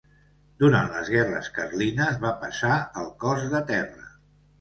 Durant les guerres Carlines va passar al cos de terra.